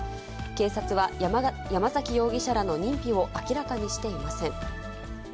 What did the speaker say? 警察は山崎容疑者らの認否を明らかにしていません。